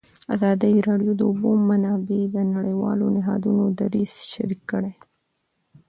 ازادي راډیو د د اوبو منابع د نړیوالو نهادونو دریځ شریک کړی.